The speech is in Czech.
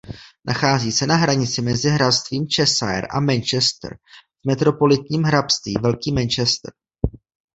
Nachází se na hranici mezi hrabstvím Cheshire a Manchester v metropolitním hrabství Velký Manchester.